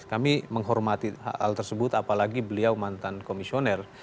kami menghormati hal tersebut apalagi beliau mantan komisioner